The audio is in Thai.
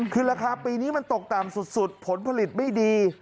คือราคาปีนี้มันตกต่ำสุดผลผลิตไม่ดี